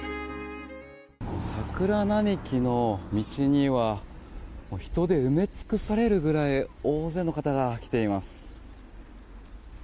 桜並木の道には人で埋め尽くされるぐらい大勢の方が来ています。